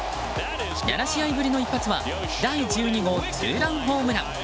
７試合ぶりの一発は第１２号ツーランホームラン！